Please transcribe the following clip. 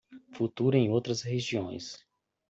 Futuro em outras regiões